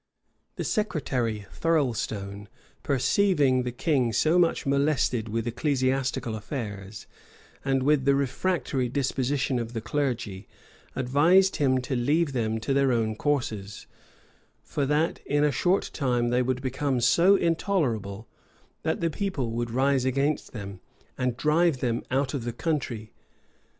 [] The secretary, Thirlstone, perceiving the king so much molested with ecclesiastical affairs, and with the refractory disposition of the clergy, advised him to leave them to their own courses; for that in a short time they would become so intolerable, that the people would rise against them, and drive them out of the country.